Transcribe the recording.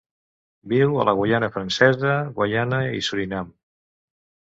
Viu a la Guaiana Francesa, Guyana i Surinam.